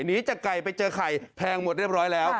หนีจากไก่ไปเจอไข่แพงหมดเรียบร้อยแล้ว